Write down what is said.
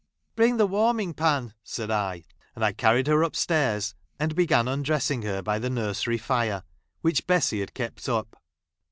P "Bring the warming pan," said I ; and I carried her up stairs and began undressing ! her by the nursery fire, which Bessy had ! kept up.